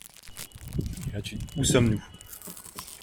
Où sommes-nous ?